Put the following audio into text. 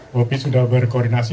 bopi sudah berkoordinasi